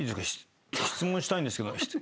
質問したいんですけど。